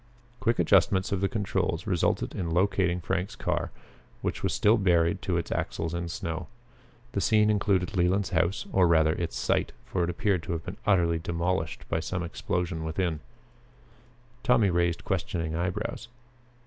Quick adjustments of the controls resulted in the locating of Frank's car, which was still buried to its axles in snow. The scene included Leland's house, or rather its site, for it appeared to have been utterly demolished by some explosion within. Tommy raised questioning eyebrows.